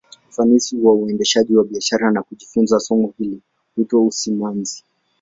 Ufanisi wa uendeshaji wa biashara, na kujifunza somo hili, huitwa usimamizi.